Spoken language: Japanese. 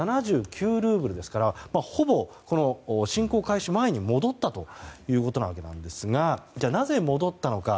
ルーブルですからほぼ侵攻開始前に戻ったということなんですがじゃあ、なぜ戻ったのか。